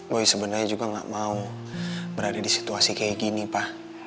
bu sebenernya juga gak mau berada di situasi kaya gini pa